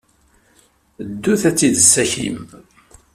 Ddut ad tt-id-tessakim.